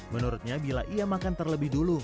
menurutnya bila ia makan terlebih dulu